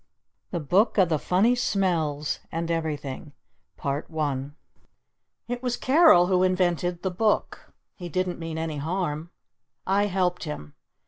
THE BOOK OF THE FUNNY SMELLS AND EVERYTHING It was Carol who invented the Book. He didn't mean any harm. I helped him.